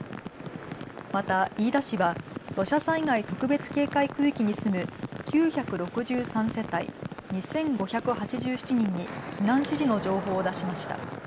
また飯田市は土砂災害特別警戒区域に住む９６３世帯２５８７人に避難指示の情報を出しました。